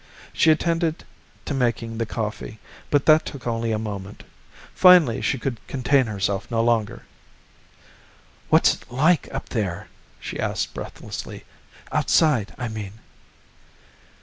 She attended to making the coffee, but that took only a moment. Finally she could contain herself no longer. "What's it like up there?" she asked breathlessly. "Outside, I mean."